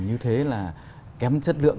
như thế là kém chất lượng